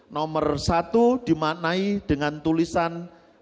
nomor satu dimanai dengan tulisan satu